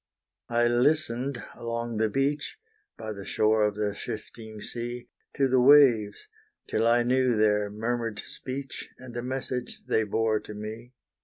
I listened along the beach, By the shore of the shifting sea, To the waves, till I knew their murmured speech, And the message they bore to me.